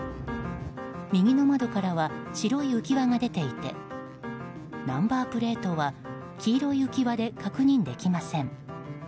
右の窓からは白い浮き輪が出ていてナンバープレートは黄色い浮き輪で確認できません。